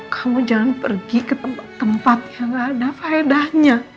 kamu jangan pergi ke tempat tempat yang gak ada fayadahnya